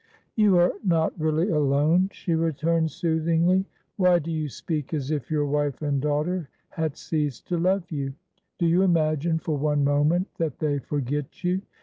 "You are not really alone," she returned, soothingly. "Why do you speak as if your wife and daughter had ceased to love you? Do you imagine for one moment that they forget you?